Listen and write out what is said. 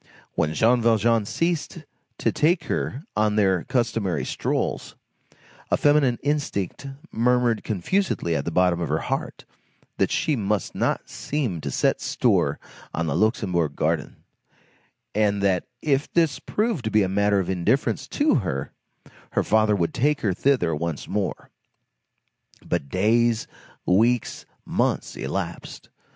When Jean Valjean ceased to take her on their customary strolls, a feminine instinct murmured confusedly, at the bottom of her heart, that she must not seem to set store on the Luxembourg garden, and that if this proved to be a matter of indifference to her, her father would take her thither once more. But days, weeks, months, elapsed.